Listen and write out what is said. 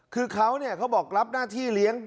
คือเขาเนี่ยเขาบอกรับหน้าที่เลี้ยง